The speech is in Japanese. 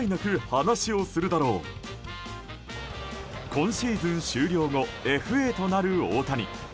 今シーズン終了後ＦＡとなる大谷。